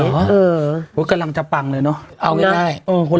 เออเพราะกำลังจะปังเลยน่ะเอาไว้ได้เออ